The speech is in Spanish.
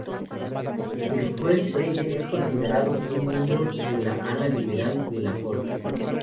El juez Breyer es considerado un miembro del ala liberal de la Corte.